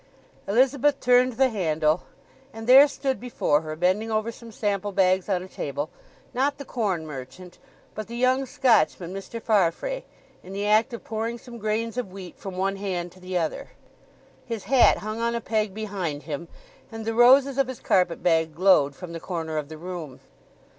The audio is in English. Elizabeth turned the handle; and there stood before her, bending over some sample bags on a table, not the corn merchant, but the young Scotchman Mr. Farfrae—in the act of pouring some grains of wheat from one hand to the other. His hat hung on a peg behind him, and the roses of his carpet bag glowed from the corner of the room.